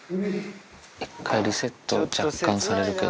１回リセット、若干されるけど。